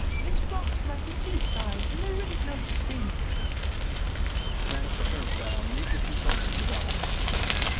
"It's rocks like the seaside. And there isunt no sea." The man at the turnstile mutely consulted the doctor.